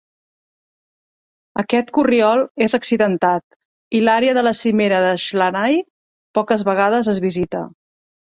Aquest corriol és accidentat i l'àrea de la cimera de Slhanay poques vegades es visita.